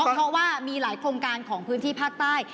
เพราะว่ามีหลายโครงการของพื้นที่ภาคใต้